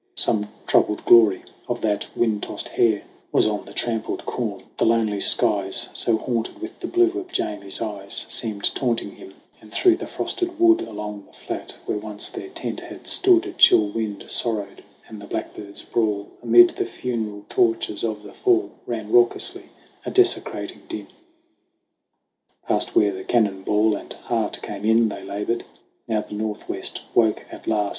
Some troubled glory of that wind tossed hair 98 SONG OF HUGH GLASS Was on the trampled corn ; the lonely skies, So haunted with the blue of Jamie's eyes, Seemed taunting him; and through the frosted wood Along the flat, where once their tent had stood, A chill wind sorrowed, and the blackbirds' brawl Amid the funeral torches of the Fall Ran raucously, a desecrating din. Past where the Cannon Ball and Heart come in They labored. Now the Northwest 'woke at last.